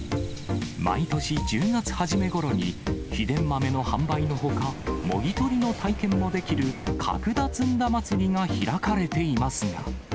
毎年１０月初めごろに、秘伝豆の販売のほか、もぎ取りの体験もできる角田ずんだまつりが開かれていますが。